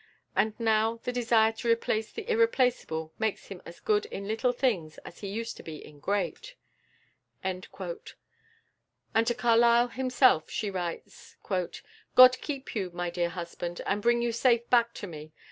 And, now, the desire to replace the irreplaceable makes him as good in little things as he used to be in great." And to Carlyle himself she writes: "God keep you, my dear husband, and bring you safe back to me.